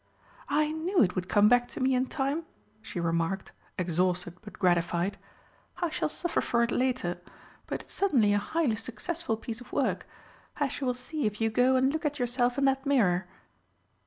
"I knew it would come back to me in time," she remarked, exhausted but gratified. "I shall suffer for it later but it's certainly a highly successful piece of work as you will see if you go and look at yourself in that mirror."